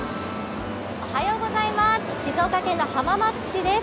静岡県の浜松市です。